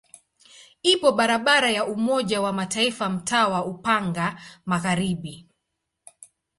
Ipo barabara ya Umoja wa Mataifa mtaa wa Upanga Magharibi.